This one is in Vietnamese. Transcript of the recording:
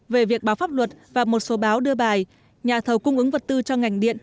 về việc báo pháp luật và một số báo đưa bài nhà thầu cung ứng vật tư cho ngành điện